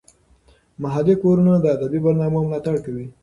محلي کورونه د ادبي برنامو ملاتړ کوي.